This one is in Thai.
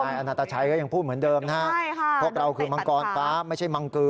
อุ้นี่คุณผู้ชมครับใช่ค่ะพวกเราคือมังกรฟ้าไม่ใช่มังกือ